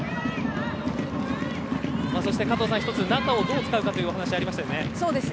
加藤さん、中をどう使うかというお話がありましたね。